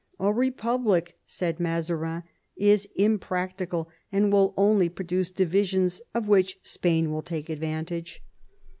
"A republic," said Mazarin, " is impracticable, and will only produce divisions of which Spain will take advantage."